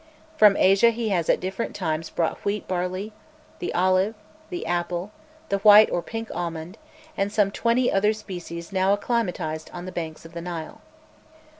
From Asia he has at different times brought wheat barley the olive, the apple, the white or pink almond, and some twenty other species now acclimatized on the banks of the Nile.